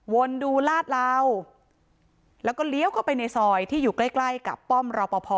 ดูลาดลาวแล้วก็เลี้ยวเข้าไปในซอยที่อยู่ใกล้ใกล้กับป้อมรอปภ